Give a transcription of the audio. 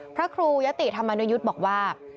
พระครูยะติธรรมนุยุทธ์บอกว่า